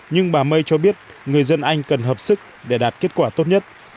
nhưng bà may cho biết người dân anh cần hợp sức để đạt kết quả tốt nhất